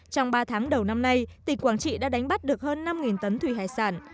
trong ba tháng đầu năm nay tỉnh quảng trị đã đánh bắt được hơn năm tấn thủy hải sản